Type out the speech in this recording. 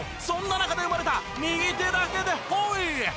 そんな中で生まれた右手だけでホイ！